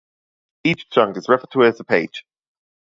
Each chunk is referred to as a "page".